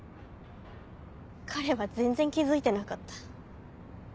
彼は全然気づいてなかった。